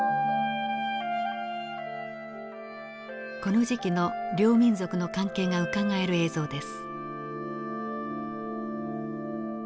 この時期の両民族の関係がうかがえる映像です。